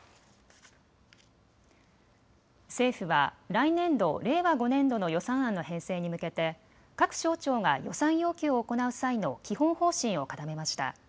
政府は来年度、令和５年度の予算案の編成に向けて各省庁が予算要求を行う際の基本方針を固めました。